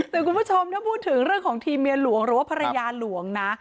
แต่คุณผู้ชมถ้าพูดถึงเรื่องของทีมเมียหลวงหรือว่าภรรยาหลวงนะ